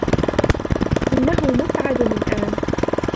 إنهُ مُسعد الأن.